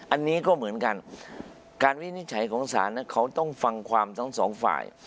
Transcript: อันนี้ก็เหมือนกันการวินิจฉัยของศาลเขาต้องฟังความทั้งสองฝ่าย